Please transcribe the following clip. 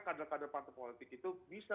kader kader partai politik itu bisa